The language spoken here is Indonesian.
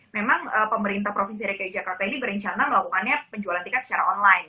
memang pemerintah provinsi dki jakarta ini berencana melakukannya penjualan tiket secara online